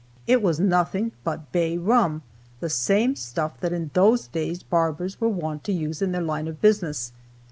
It was nothing but bay rum, the same stuff that in those days barbers were wont to use in their line of business.